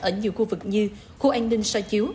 ở nhiều khu vực như khu an ninh so chiếu